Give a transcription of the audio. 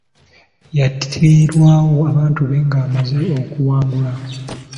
Yattirwayo abantu be ng'amaze okuwangula.